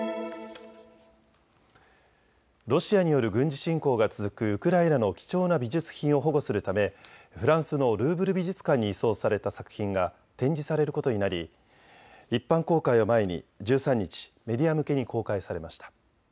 ロシアによる軍事侵攻が続くウクライナの貴重な美術品を保護するためフランスのルーブル美術館に移送された作品が展示されることになり一般公開を前に１３日、メディア向けに公開されました。